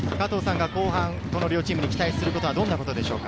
後半、両チームに期待することは、どんなことですか？